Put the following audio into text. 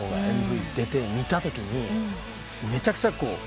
ＭＶ出て見たときにめちゃくちゃこう。